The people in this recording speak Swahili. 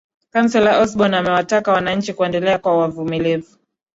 counsellor osborn amewataka wananchi kuendelea kuwa wavumilivu